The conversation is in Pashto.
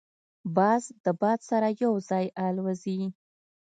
باز د باد سره یو ځای الوزي